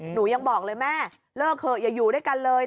หนูยังบอกเลยแม่เลิกเถอะอย่าอยู่ด้วยกันเลย